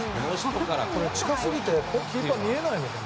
近すぎてキーパー見えないのかな。